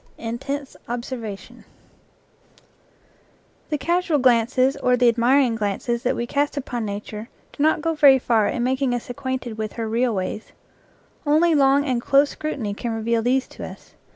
INTENSIVE OBSERVATION fllHE casual glances or the admiring glances that JL we cast upon nature do not go very far in mak ing us acquainted with her real ways. Only long and close scrutiny can reveal these to us.